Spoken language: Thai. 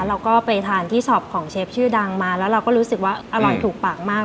เราก็ไปทานที่ช็อปของเชฟชื่อดังมาแล้วเราก็รู้สึกว่าอร่อยถูกปากมาก